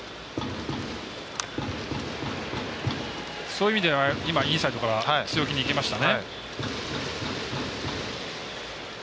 そういう意味ではインサイドからは強気にいきましたね。